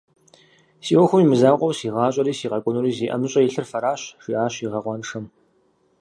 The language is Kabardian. Си ӏуэхум имызакъуэу, си гъащӏэри, си къэкӏуэнури зи ӏэмыщӏэ илъыр фэращ, - жиӏащ ягъэкъуаншэм.